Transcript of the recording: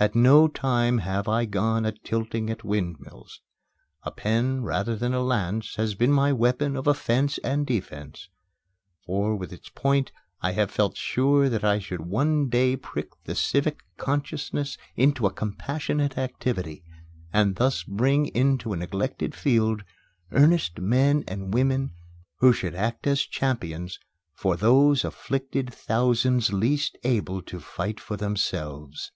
At no time have I gone a tilting at windmills. A pen rather than a lance has been my weapon of offence and defence; for with its point I have felt sure that I should one day prick the civic conscience into a compassionate activity, and thus bring into a neglected field earnest men and women who should act as champions for those afflicted thousands least able to fight for themselves.